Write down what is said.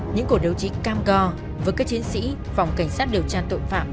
những cổ đấu trí cam go với các chiến sĩ phòng cảnh sát điều tra tội phạm